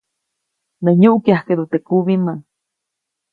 Nä nyuʼkyajkeʼdu teʼ kubimä.